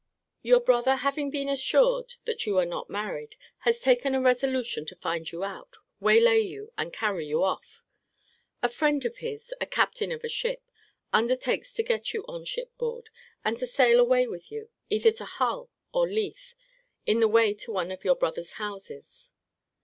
Your brother having been assured that you are not married, has taken a resolution to find you out, waylay you, and carry you off. A friend of his, a captain of a ship, undertakes to get you on ship board, and to sail away with you, either to Hull or Leith, in the way to one of your brother's houses.